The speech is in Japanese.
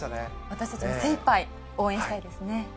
私たちも精いっぱい応援したいですね。